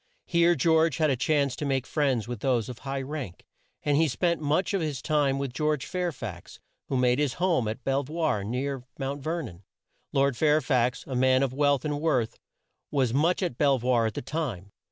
Here George had a chance to make friends with those of high rank, and he spent much of his time with George Fair fax who made his home at Bel voir, near Mount Ver non. Lord Fair fax, a man of wealth and worth was much at Bel voir at that time.